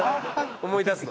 思い出すの？